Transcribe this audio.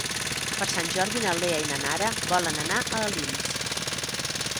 Per Sant Jordi na Lea i na Nara volen anar a Alins.